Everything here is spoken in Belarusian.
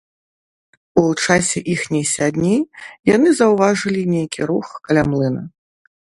У часе іхняй сядні яны заўважылі нейкі рух каля млына.